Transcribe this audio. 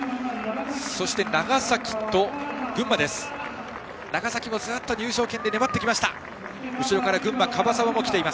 そして長崎と群馬です。